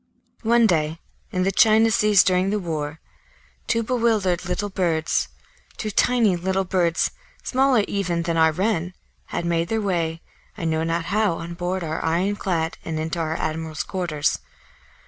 One day long ago, in the China Seas during the war, two bewildered little birds, two tiny little birds, smaller even than our wren, had made their way, I know not how, on board our iron clad and into our admiral's quarters.